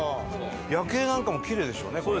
夜景なんかもキレイでしょうねこれ。